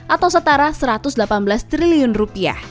atau setara satu ratus delapan belas triliun rupiah